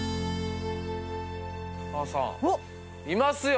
砂羽さんいますよ。